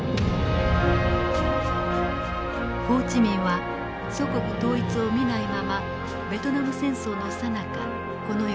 ホー・チ・ミンは祖国統一を見ないままベトナム戦争のさなかこの世を去りました。